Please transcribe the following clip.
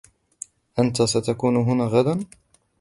أنتَ ستكون هنا غداً ؟